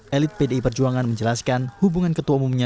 elit pdi perjuangan menjelaskan hubungan ketua umumnya